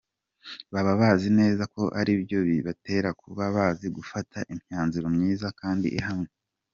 Baba bazi neza ko ari byo bibatera kuba bazi gufata imyanzuro myiza kandi ihamye.